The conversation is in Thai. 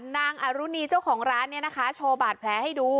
นางอรุณีเจ้าของร้านเนี่ยนะคะโชว์บาดแผลให้ดู